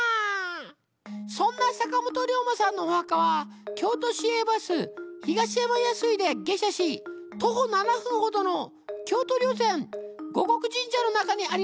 そんな坂本龍馬さんのお墓は京都市営バス東山安井で下車し徒歩７分ほどの京都霊山護国神社の中にありますだにゃー。